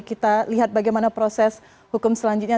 kita lihat bagaimana proses hukum selanjutnya